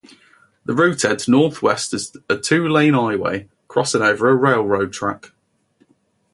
The route heads northwest as a two-lane highway crossing over a railroad track.